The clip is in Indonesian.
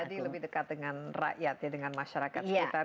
jadi lebih dekat dengan rakyat ya dengan masyarakat sekitar